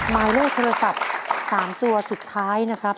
หมายเลขโทรศัพท์๓ตัวสุดท้ายนะครับ